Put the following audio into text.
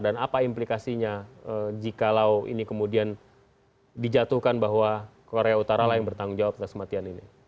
dan apa implikasinya jikalau ini kemudian dijatuhkan bahwa korea utara lah yang bertanggung jawab atas kematian ini